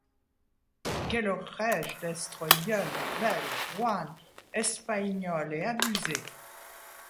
Quelle raige d’estre ieune, belle, royne, Hespaignole et abusée!